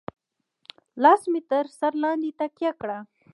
لاس مې تر سر لاندې تکيه کړه.